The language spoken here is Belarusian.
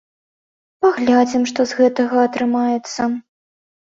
Паглядзім, што з гэтага атрымаецца.